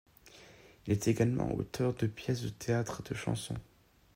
Il est également auteur de pièces de théâtre et de chansons.